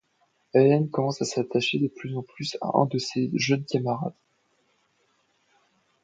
Hélène commence à s'attacher de plus en plus à un de ses jeunes camarades.